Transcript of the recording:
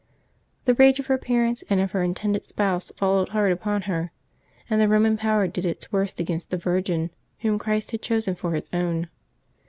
The rage of her parents and of her intended spouse fol lowed hard upon her; and the Eoman power did its worst against the virgin whom Christ had chosen for His own.